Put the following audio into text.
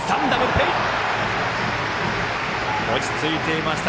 落ち着いていました